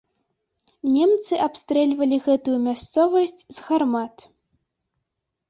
Немцы абстрэльвалі гэтую мясцовасць з гармат.